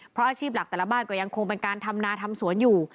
เพราะอาชีพหลักแต่ละบ้านก็ยังคงเป็นการทำนาทำสวนอยู่